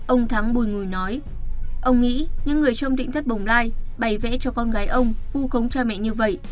ông thắng bùi ngùi nói ông nghĩ những người trong định thất bồng lai bày vẽ cho con gái ông vu khống cha mẹ như vậy